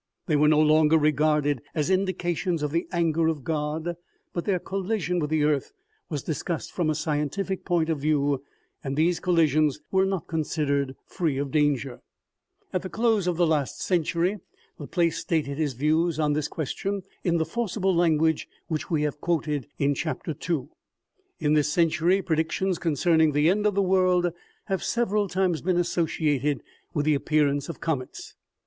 They were no longer regarded as indications of the anger of God, but their collision with the earth was discussed from a scientific point of view, and these collisions were not considered free of danger. At the OMEGA. 153 close of the last century, Laplace stated his views on this question, in the forcible language which we have quoted in Chapter n. In this century, predictions concerning the end of the world have several times been associated with the appear ance of comets.